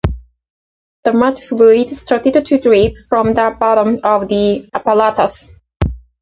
The mud fluid started to drip from the bottom of the apparatus.